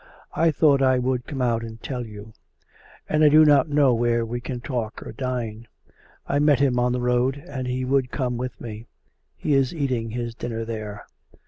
" I thought I would come out and tell you; and I do not know where we can talk or dine. I met him on the road, and he would come with me. He is eating his dinner there."